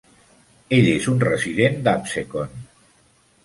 Ell és un resident d"Absecon.